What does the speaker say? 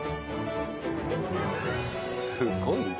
すごいな。